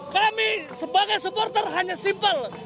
kami sebagai supporter hanya simpel